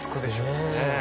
ねえ。